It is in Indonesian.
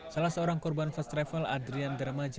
salah seorang korban first travel adrian dramaja